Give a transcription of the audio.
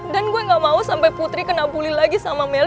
dan gue gak mau putri kena bully lagi sama mel